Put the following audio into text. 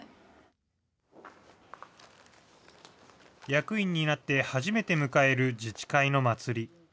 役員になって初めて迎える自治会の祭り。